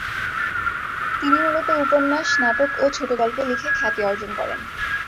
তিনি মূলত উপন্যাস, নাটক ও ছোটগল্প লিখে খ্যাতি অর্জন করেন।